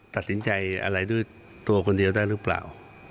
ตัดสินใจอะไรด้วยตัวคนเดียวได้หรือเปล่า